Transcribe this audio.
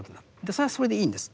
それはそれでいいんです。